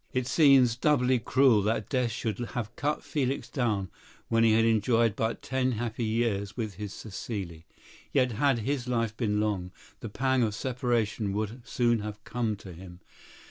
It seems doubly cruel that death should have cut Felix down when he had enjoyed but ten happy years with his Cécile. Yet had his life been long, the pang of separation would soon have come to him.